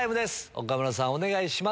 岡村さん、お願いします。